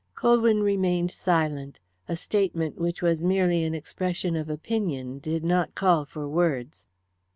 Colwyn remained silent. A statement which was merely an expression of opinion did not call for words.